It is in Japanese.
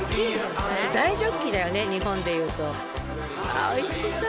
あおいしそう！